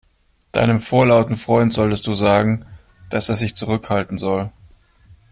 Deinem vorlauten Freund solltest du sagen, dass er sich zurückhalten soll.